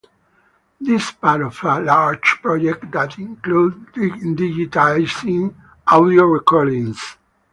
This is part of a larger project that included digitizing audio recordings.